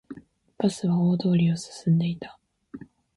バスは大通りを進んでいた